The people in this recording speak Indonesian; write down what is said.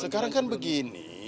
sekarang kan begini